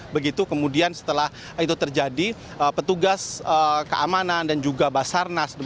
begitu kemudian setelah itu terjadi petugas keamanan dan juga basarnas